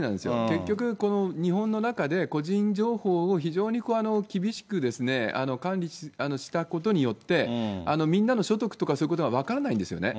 結局、日本の中で個人情報を非常に厳しく管理したことによって、みんなの所得とかそういうことが分からないんですよね。